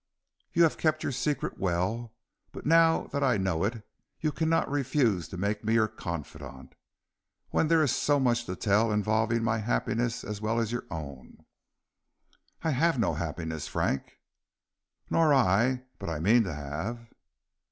"You have kept your secret well, but now that I know it you cannot refuse to make me your confidant, when there is so much to tell involving my happiness as well as your own." "I have no happiness, Frank." "Nor I; but I mean to have."